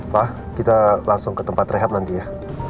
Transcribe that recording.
pak kita langsung ke tempat rehab nanti ya